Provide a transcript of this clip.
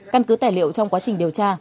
căn cứ tài liệu trong quá trình điều tra